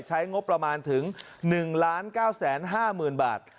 ใช้งบประมาณถึง๑๙๕๐๐๐บาท